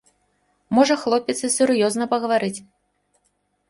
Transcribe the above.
Можа хлопец і сур'ёзна пагаварыць.